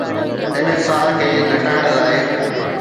انحصار کي گهٽائڻ لاء